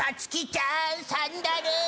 ちゃーんサンダル！